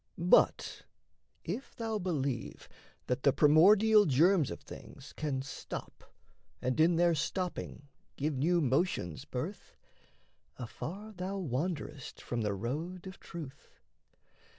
But if thou believe That the primordial germs of things can stop, And in their stopping give new motions birth, Afar thou wanderest from the road of truth.